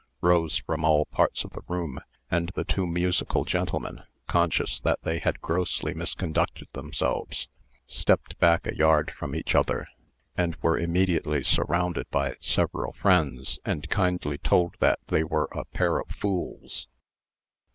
rose from all parts of the room, and the two musical gentlemen, conscious that they had grossly misconducted themselves, stepped back a yard from each other, and were immediately surrounded by several friends, and kindly told that they were a pair of fools.